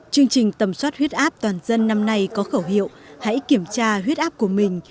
chương trình tầm soát huyết áp toàn dân năm nay có khẩu hiệu hãy kiểm tra huyết áp của mình